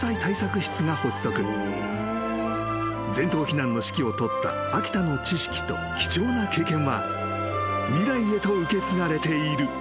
［全島避難の指揮を執った秋田の知識と貴重な経験は未来へと受け継がれている］